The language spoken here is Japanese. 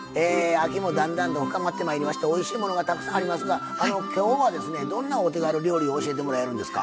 秋も、だんだんと深まってまいりましておいしいものがたくさんありますがきょうは、どんなお手軽料理を教えてもらえるんですか？